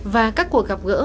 và các cuộc gặp gỡ